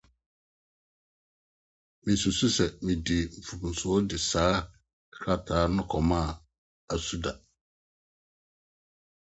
Misusuw sɛ midii mfomso de saa krataa no kɔmaa Asuda.